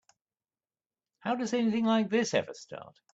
How does anything like this ever start?